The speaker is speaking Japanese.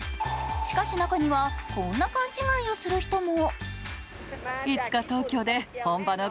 しかし、中にはこんな勘違いをする人も。